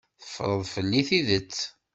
Teffreḍ fell-i tidet.